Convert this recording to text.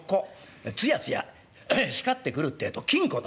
つやつや光ってくるってえと金狐といいます。